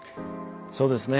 そうですね。